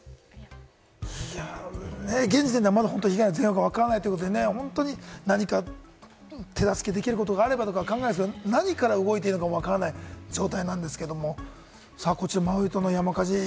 現時点では被害の全容がわからないということですが、何か手助けできることが考えるんですけれども、何から動いていいかわからない状態なんですけれども、こちらマウイ島の山火事。